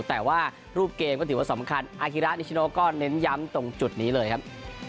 แต่ว่ารูปเกมก็ถือว่าสำคัญอาฮิระนิชโนก็เน้นย้ำตรงจุดนี้เลยครับ